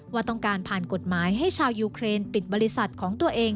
ว่าต้องการผ่านกฎหมายให้ชาวยูเครนปิดบริษัทของตัวเอง